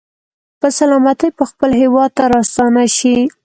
په سلامتۍ به خپل هېواد ته راستانه شي.